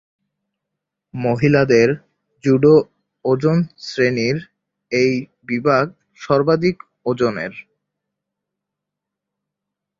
মহিলাদের জুডো ওজন শ্রেণীর এই বিভাগ সর্বাধিক ওজনের।